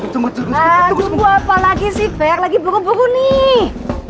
tunggu apa lagi sih fer lagi buru buru nih